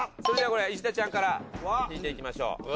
それではこれ石田ちゃんから引いていきましょう。